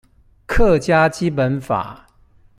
客家基本法